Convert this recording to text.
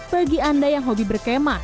bagi anda yang hobi berkemah